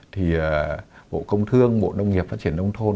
thì bộ công thương bộ nông nghiệp phát triển nông thôn